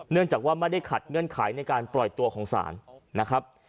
เนื่องจากว่าไม่ได้ขัดเงื่อนไขในการปล่อยตัวของศาลนะครับ